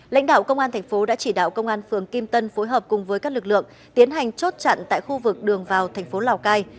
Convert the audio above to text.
lãnh đạo công an thành phố đã chỉ đạo công an phường kim tân phối hợp cùng với các lực lượng tiến hành chốt chặn tại khu vực đường vào thành phố lào cai